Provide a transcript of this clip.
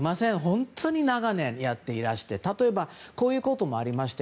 本当に長年、やっていらして例えばこういうこともありまして。